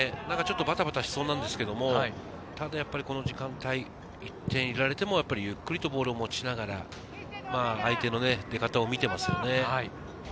バタバタしそうなんですけれども、この時間帯、１点入れられても、ゆっくりとボールを持ちながら、相手の出方を見ていますね。